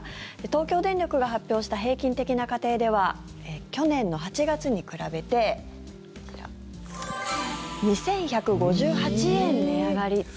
東京電力が発表した平均的な家庭では去年の８月に比べて２１５８円値上がり。